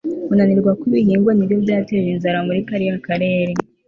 kunanirwa kw'ibihingwa nibyo byateje inzara muri kariya karere